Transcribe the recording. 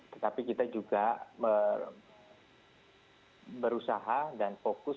tetapi kita juga berusaha dan fokus